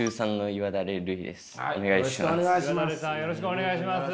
岩垂さんよろしくお願いします。